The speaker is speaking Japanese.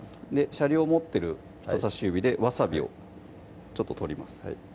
シャリを持ってる人さし指でわさびをちょっと取ります